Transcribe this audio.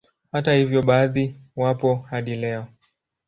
Hata hivyo baadhi wapo hadi leo